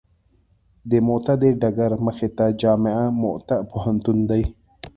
د موته د ډګر مخې ته جامعه موته پوهنتون دی.